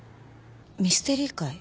ミステリー会？